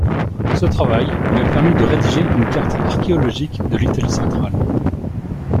Ce travail lui a permis de rédiger une carte archéologique de l'Italie centrale.